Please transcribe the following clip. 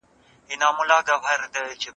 ماشوم په خپله ژبه ځان خوندي احساسوي.